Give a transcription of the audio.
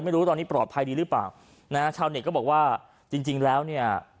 ไม่รู้ตอนนี้ปลอดภัยดีหรือเปล่านะฮะชาวเน็ตก็บอกว่าจริงจริงแล้วเนี่ย